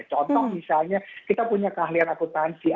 contoh misalnya kita punya keahlian akutansi